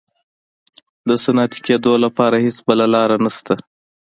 د صنعتي کېدو لپاره هېڅ بله لار نشته.